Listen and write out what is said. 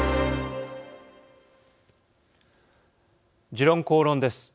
「時論公論」です。